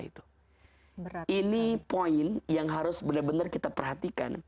ini poin yang harus benar benar kita perhatikan